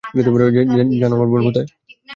জানো আমার বোন কোথায়?